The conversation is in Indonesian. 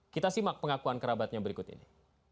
kita simak pengakuan kerabatnya berikut ini